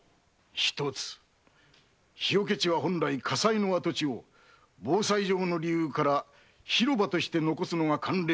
一つ火除け地は本来火災の跡地を防災上の理由から広場として残すというのが慣例かと存ずる。